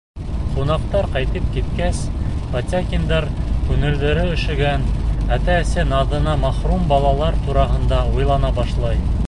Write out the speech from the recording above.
Ҡунаҡтар ҡайтып киткәс, Потякиндар күңелдәре өшөгән, ата-әсә наҙына мәхрүм балалар тураһында уйлана башлай.